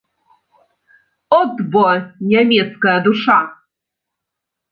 От бо нямецкая душа!